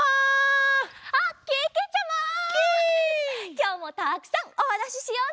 きょうもたくさんおはなししようね！